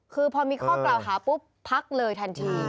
คือพอมีข้อกล่าวหาปุ๊บพักเลยทันที